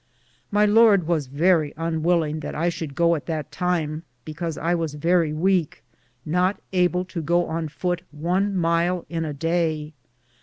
My Lord was verrie unwillinge that I should goo at that time, because I was verrie wayke, not able to goo on foute one myle in a daye.